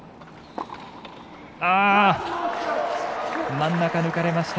真ん中、抜かれました。